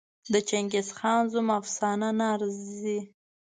د چنګېزخان زوم افسانه نه ارزي.